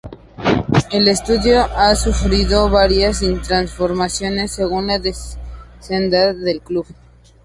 El estadio ha sufrido varias transformaciones según la necesidades del club.